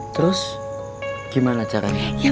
terus gimana caranya